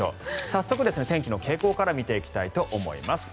早速、天気の傾向から見ていきたいと思います。